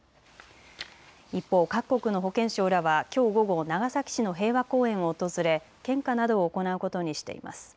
一方、各国の保健相らはきょう午後、長崎市の平和公園を訪れ献花などを行うことにしています。